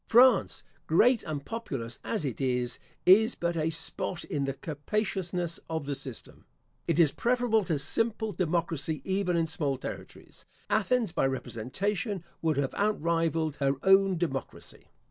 France, great and populous as it is, is but a spot in the capaciousness of the system. It is preferable to simple democracy even in small territories. Athens, by representation, would have outrivalled her own democracy.